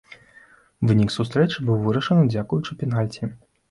Вынік сустрэчы быў вырашаны дзякуючы пенальці.